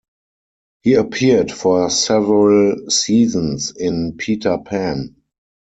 He appeared for several seasons in Peter Pan.